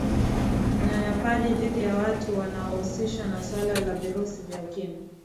unyanyapaaji dhidi ya watu wanaohusishwa na suala la virusi vya ukimwi